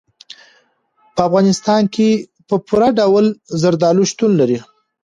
په افغانستان کې په پوره ډول زردالو شتون لري.